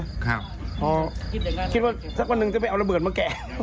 คิดว่าสักวันหนึ่งจะไปเอาระเบิดมาแกะ